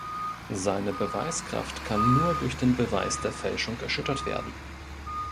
Seine Beweiskraft kann nur durch den Beweis der Fälschung erschüttert werden.